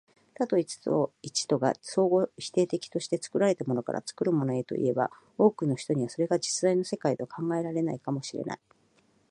多と一とが相互否定的として、作られたものから作るものへといえば、多くの人にはそれが実在の世界とは考えられないかも知れない。